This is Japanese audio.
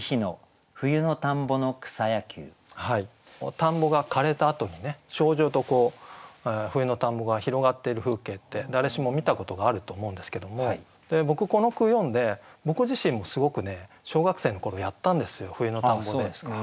田んぼが枯れたあとにね蕭条とこう冬の田んぼが広がっている風景って誰しも見たことがあると思うんですけども僕この句読んで僕自身もすごくね小学生の頃やったんですよ冬の田んぼで。